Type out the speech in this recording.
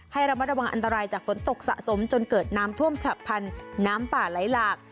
ให้ระมัดระวังอันตรายจากฝนตกสะสมจนเกิดน้ำท่วมฉับพันธุ์น้ำป่าไหลหลาก